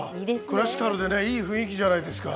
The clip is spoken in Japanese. クラシカルでねいい雰囲気じゃないですか。